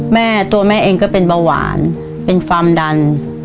แม่ตัวแม่เองก็เป็นเบาหวานเป็นความดัน